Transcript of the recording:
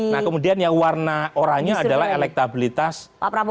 nah kemudian yang warna oranye adalah elektabilitas pak prabowo